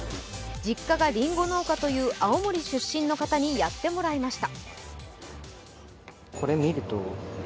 実家がりんご農家という青森出身の方にやってもらいました。